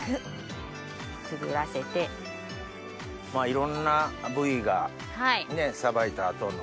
いろんな部位がさばいた後の。